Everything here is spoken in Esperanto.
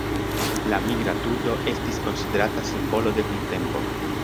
La Migra turdo estis konsiderata simbolo de printempo.